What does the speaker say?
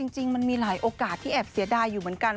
จริงมันมีหลายโอกาสที่แอบเสียดายอยู่เหมือนกัน